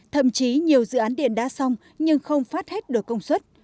thậm chí nhiều dự án điện đã xong nhưng không phát hết được công suất